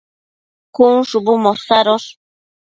cun shubu mosadosh